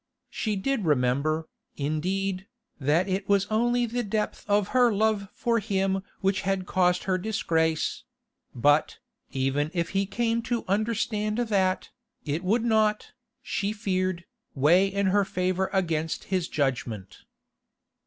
She did remember, indeed, that it was only the depth of her love for him which had caused her disgrace; but, even if he came to understand that, it would not, she feared, weigh in her favour against his judgment.